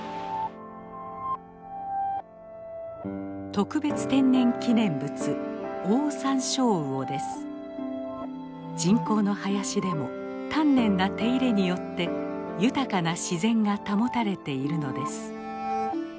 特別天然記念物人工の林でも丹念な手入れによって豊かな自然が保たれているのです。